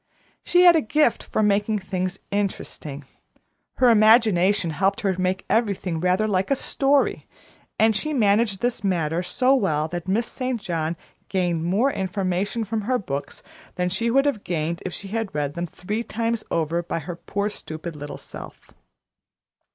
She had a gift for making things interesting. Her imagination helped her to make everything rather like a story, and she managed this matter so well that Miss St. John gained more information from her books than she would have gained if she had read them three times over by her poor stupid little self.